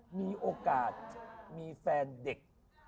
มีโอกาสมีแฟนเด็ก